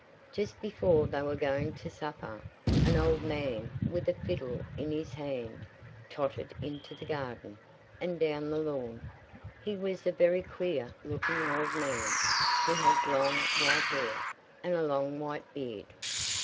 Just before they were going to supper, an old man, with a fiddle in his hand, tottered into the garden, and down the lawn. He was a very queer looking old man. He had long white hair, and a long white beard.